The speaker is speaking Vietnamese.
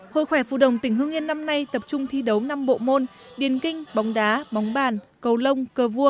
hội khoẻ phù đồng tỉnh hưng yên năm nay tập trung thi đấu năm bộ môn điền kinh bóng đá bóng bàn cầu lông cơ vua